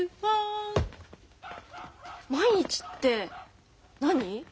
毎日って何？